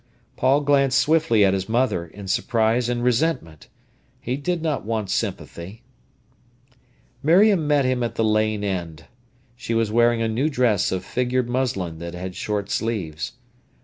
Paul glanced swiftly at his mother in surprise and resentment. He did not want sympathy. Miriam met him at the lane end. She was wearing a new dress of figured muslin that had short sleeves.